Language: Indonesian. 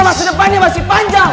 masa depannya masih panjang